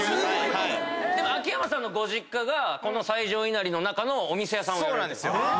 秋山さんのご実家がこの最上稲荷の中のお店屋さんをやられてる。